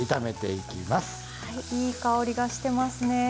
いい香りがしてますね。